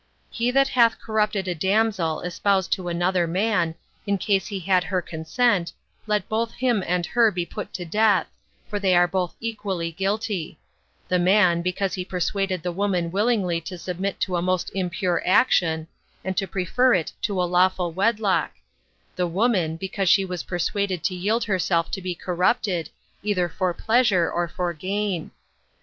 He that hath corrupted a damsel espoused to another man, in case he had her consent, let both him and her be put to death, for they are both equally guilty; the man, because he persuaded the woman willingly to submit to a most impure action, and to prefer it to lawful wedlock; the woman, because she was persuaded to yield herself to be corrupted, either for pleasure or for gain.